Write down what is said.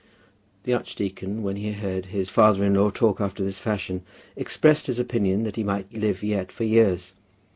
The archdeacon, when he heard his father in law talk after this fashion, expressed his opinion that he might live yet for years.